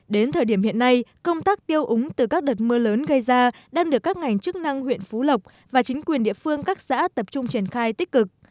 đến thời điểm hiện nay công tác tiêu úng từ các đợt mưa lớn gây ra đang được các ngành chức năng huyện phú lộc và chính quyền địa phương các xã tập trung triển khai tích cực